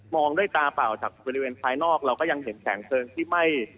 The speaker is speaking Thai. องด้วยตาเปล่าจากบริเวณภายนอกเราก็ยังเห็นแสงเพลิงที่ไหม้